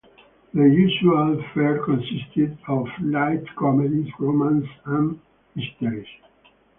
The usual fare consisted of light comedies, romances and mysteries.